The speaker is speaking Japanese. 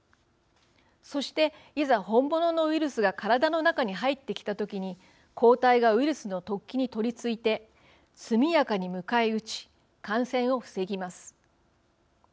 そして、いざ本物のウイルスが体の中に入ってきた時に、抗体がウイルスの突起に取りついて速やかに迎え撃ち感染を防ぎます。